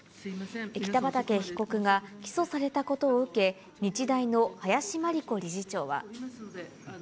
北畠被告が起訴されたことを受け、日大の林真理子理事長は。